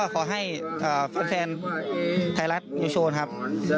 ขอให้ไทยรัฐนะครับ